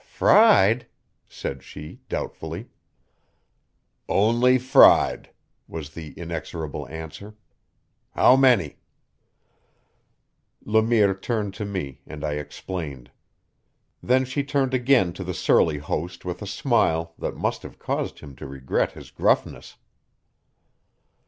"Fried?" said she doubtfully. "Only fried," was the inexorable answer. "How many?" Le Mire turned to me, and I explained. Then she turned again to the surly host with a smile that must have caused him to regret his gruffness.